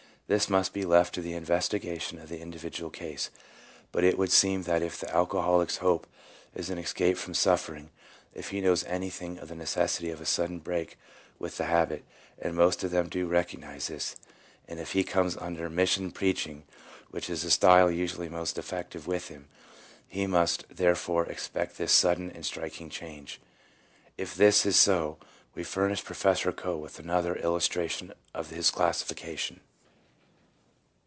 This must be left to the investigation of the individual case; but it would seem that if the alco holic's hope is an escape from suffering, if he knows anything of the necessity of a sudden break with the habit — and most of them do recognize this — and if he comes under mission preaching, which is the style usually most effective with him, he must therefore expect this sudden and striking change. If this is so, we furnish Professor Coe with another illustration of his classification.